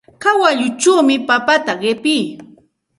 Kawalluchawmi papata qipii.